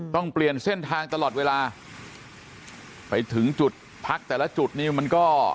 ต้องเปลี่ยนเส้นทางตลอดเวลาไปถึงจุดพักแต่ละจุดนี้มันก็